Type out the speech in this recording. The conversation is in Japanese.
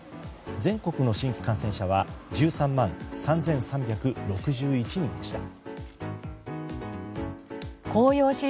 全国の新規感染者は１３万３３６１人でした。